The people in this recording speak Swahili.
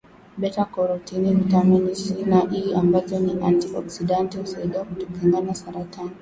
beta karotini vitamini C na E ambazo ni anti oksidanti husaidia kutukinga na saratani